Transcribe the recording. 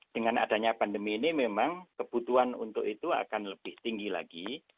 dengan adanya pandemi ini memang kebutuhan untuk itu akan lebih tinggi lagi